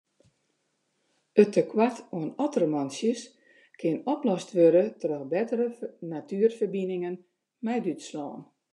It tekoart oan ottermantsjes kin oplost wurde troch bettere natuerferbiningen mei Dútslân.